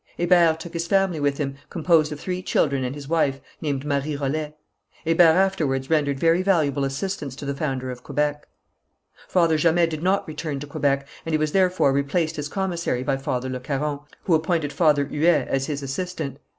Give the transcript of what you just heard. Hébert took his family with him, composed of three children and his wife, named Marie Rollet. Hébert afterwards rendered very valuable assistance to the founder of Quebec. Father Jamet did not return to Quebec, and he was therefore replaced as commissary by Father Le Caron, who appointed Father Huet as his assistant.